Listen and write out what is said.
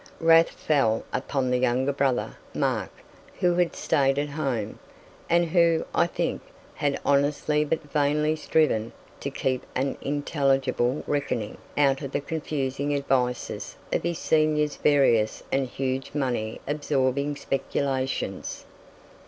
Wrath fell upon the younger brother, Mark, who had stayed at home, and who, I think, had honestly but vainly striven to keep an intelligible reckoning out of the confusing advices of his senior's various and huge money absorbing speculations.